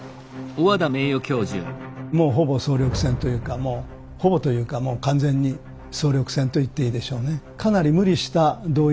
もうほぼ総力戦というかほぼというかもう完全に総力戦と言っていいでしょうね。